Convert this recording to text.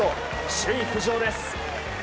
首位浮上です。